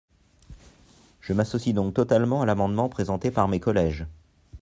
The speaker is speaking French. Je m’associe donc totalement à l’amendement présenté par mes collèges.